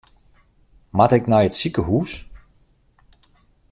Moat ik nei it sikehús?